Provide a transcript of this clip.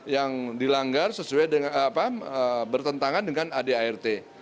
yang dilanggar sesuai dengan bertentangan dengan adart